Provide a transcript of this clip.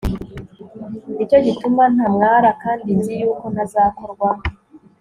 ni cyo gituma ntamwara … kandi nzi yuko ntazakorwa